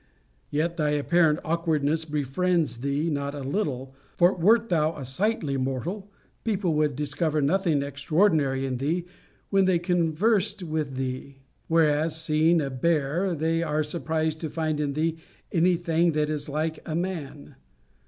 Yet thy apparent awkwardness befriends thee not a little: for wert thou a sightly mortal, people would discover nothing extraordinary in thee, when they conversed with thee: whereas, seeing a bear, they are surprised to find in thee any thing that is like a man.